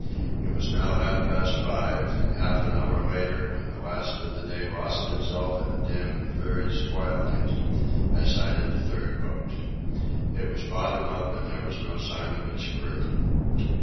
It was now half past five, and half an hour later, when the last of the day lost itself in a dim and furious twilight, I sighted a third boat. It was bottom up, and there was no sign of its crew.